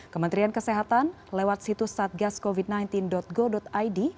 kementerian kesehatan lewat situs satgascovid sembilan belas go id